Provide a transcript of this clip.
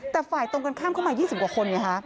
แต่ฝ่ายตรงกันข้ามเข้ามา๒๐กว่าคนไงคะ